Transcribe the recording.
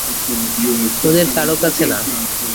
ওদের কারো কাছে না।